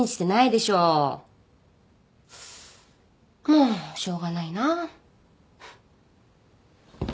もうしょうがないな。